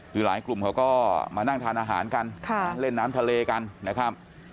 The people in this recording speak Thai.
คือหลายกลุ่มเขาก็มานั่งทานอาหารกันเล่นน้ำทะเลกันนะครับ